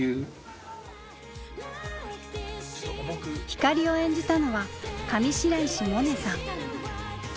光を演じたのは上白石萌音さん。